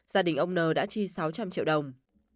gia đình ông n đã chi sáu trăm linh triệu đồng